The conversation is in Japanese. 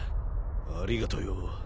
ありがとよ。